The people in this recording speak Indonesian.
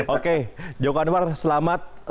oke joko anwar selamat